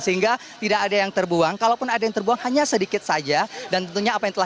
sehingga tidak ada yang terbuang kalaupun ada yang terbuang hanya sedikit saja